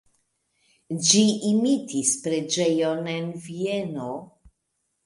Ĝi imitis preĝejon en Vieno.